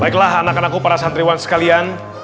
baiklah anak anakku para santriwan sekalian